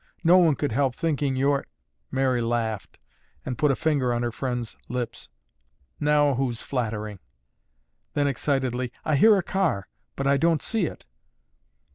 No one could help thinking you're—" Mary laughed and put a finger on her friend's lips. "Now, who's flattering?" Then, excitedly, "I hear a car, but I don't see it."